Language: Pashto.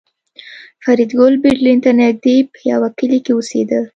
فریدګل برلین ته نږدې په یوه کلي کې اوسېده